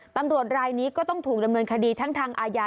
ตำรวจรายนี้ก็ต้องถูกดำเนินคดีทั้งทางอาญา